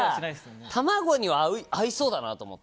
卵には合いそうだなと思って。